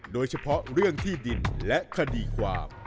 โดยเฉพาะเรื่องที่ดินและคดีความ